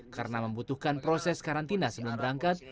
karena membutuhkan proses karantina sebelum berangkat